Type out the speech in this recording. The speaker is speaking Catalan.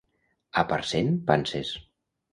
A Parcent, panses.